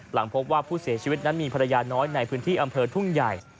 หลังพบว่าผู้เสียชีวิตนั้นมีภรรยาน้อยในพื้นที่อำเภอทุ่งใหญ่